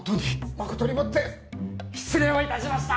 誠にもって失礼をいたしました。